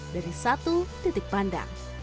dari satu titik pandang